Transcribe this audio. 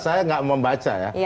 saya nggak membaca ya